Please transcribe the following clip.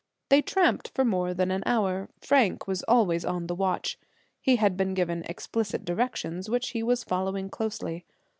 They tramped for more than an hour. Frank was always on the watch. He had been given explicit directions, which he was following closely.